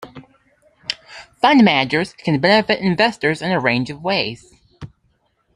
Fund managers can benefit investors in a range of ways.